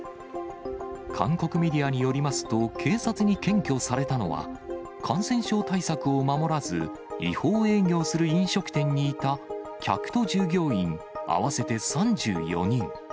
韓国メディアによりますと、警察に検挙されたのは、感染症対策を守らず違法営業する飲食店にいた客と従業員、合わせて３４人。